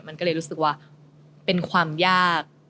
มันก็เลยรู้สึกว่าเป็นความยาก